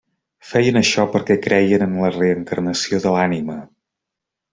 Feien això perquè creien en la reencarnació de l'ànima.